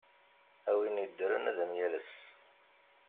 A win iddren ad am-yales!